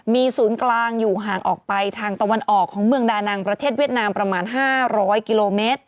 มีศูนย์กลางอยู่ห่างออกไปทางตะวันออกของเมืองดานังประเทศเวียดนามประมาณ๕๐๐กิโลเมตร